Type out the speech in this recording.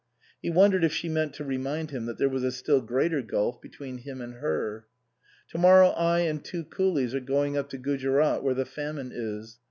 He wondered if she meant to remind him that there was a still greater gulf between him and her. " To morrow I and two coolies are going up to Gujerat where the famine is.